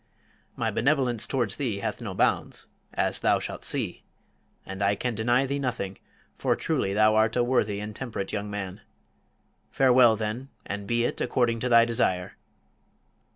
"My benevolence towards thee hath no bounds as thou shalt see; and I can deny thee nothing, for truly thou art a worthy and temperate young man. Farewell, then, and be it according to thy desire."